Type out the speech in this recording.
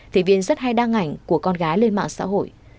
thì viên rất hay đăng ảnh của con gái lên mạng xã hội